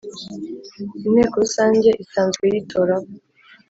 Inteko Rusange Isanzwe yitoramo